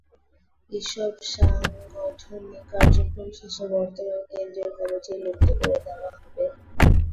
এসব সাংগঠনিক কার্যক্রম শেষে বর্তমান কেন্দ্রীয় কমিটি বিলুপ্ত করে দেওয়া হবে।